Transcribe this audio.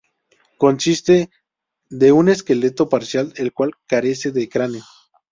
Consiste de un esqueleto parcial el cual carece de cráneo.